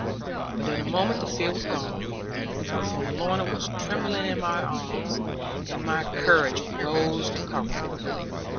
But in a moment the fear was gone, for Lorna was trembling in my arms, and my courage rose to comfort her.